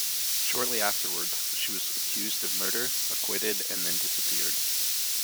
Shortly afterwards, she was accused of murder, acquitted and then disappeared.